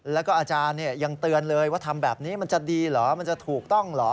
แล้วก็อาจารย์ยังเตือนเลยว่าทำแบบนี้มันจะดีเหรอมันจะถูกต้องเหรอ